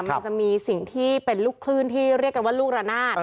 มันจะมีสิ่งที่เป็นลูกคลื่นที่เรียกกันว่าลูกระนาด